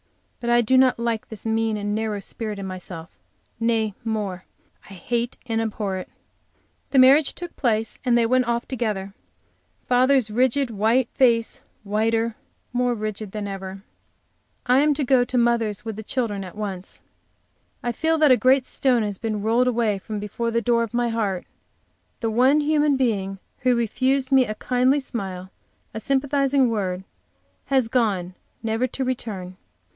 But I do not like this mean and narrow spirit in myself; nay more, I hate and abhor it. The marriage took place and they all went off together, father's rigid, white face, whiter, more rigid than ever. I am to go to mother's with the children at once. I feel that a great stone has been rolled away from before the door of my heart; the one human being who refused me a kindly smile, a sympathizing word, has gone, never to return.